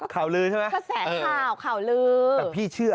แฟนข้าวข่าวลื้อ